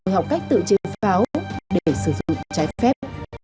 rồi học cách tự chiếm pháo để sử dụng trái phép